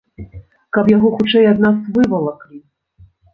Каб яго хутчэй ад нас вывалаклі.